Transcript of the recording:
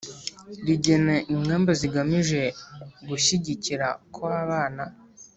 Rigena ingamba zigamije gushyigikira ko abana